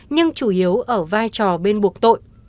nhưng chủ yếu ở vai trò bên buộc tội